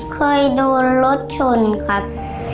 เคยโดนรถชนครับ